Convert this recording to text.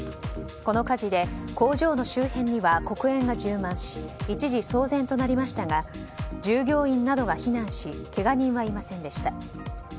この火事で工場の周辺には黒煙が充満し一時騒然となりましたが従業員などが避難しけが人はいませんでした。